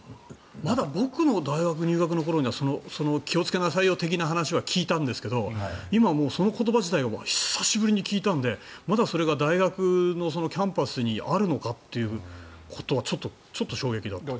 僕の大学入学の頃には気をつけなさいよ的な話は聞いたんですけど今、その言葉自体久しぶりに聞いたのでまだそれが大学のキャンパスにあるのかということはちょっと衝撃だった。